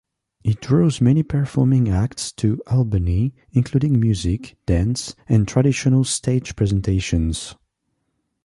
It draws many performing acts to Albany, including music, dance, and traditional stage presentations.